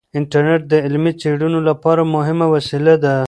انټرنیټ د علمي څیړنو لپاره مهمه وسیله ده.